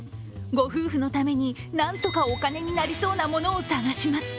ご夫婦のために、なんとかお金になりそうなものを探します。